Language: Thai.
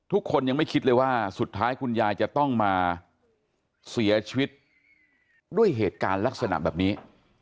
ทุกคนยังไม่คิดเลยว่าสุดท้ายคุณยายจะต้องมาเสียชีวิตด้วยเหตุการณ์ลักษณะแบบนี้